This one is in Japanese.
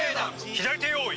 左手用意！